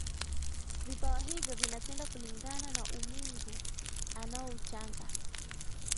vipawa hivyo vinatenda kulingana na Umungu anaouchanga